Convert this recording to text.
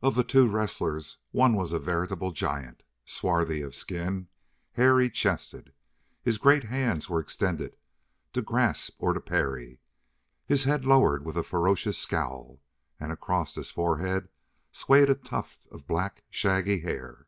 Of the two wrestlers, one was a veritable giant, swarthy of skin, hairy chested. His great hands were extended to grasp or to parry his head lowered with a ferocious scowl and across his forehead swayed a tuft of black, shaggy hair.